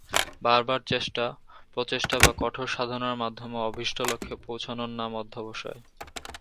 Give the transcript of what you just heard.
বার বার চেষ্টা, প্রচেষ্টা বা কঠোর সাধনার মাধ্যমে অভীষ্ট লক্ষ্যে পৌছানোর নাম অধ্যবসায়।